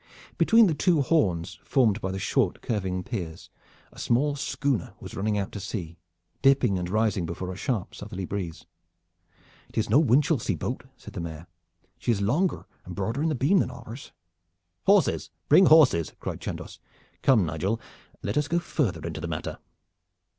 Between the two horns formed by the short curving piers a small schooner was running out to sea, dipping and rising before a sharp southerly breeze. "It is no Winchelsea boat," said the Mayor. "She is longer and broader in the beam than ours." "Horses! bring horses!" cried Chandos. "Come, Nigel, let us go further into the matter."